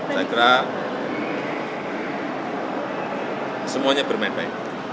saya kira semuanya bermain baik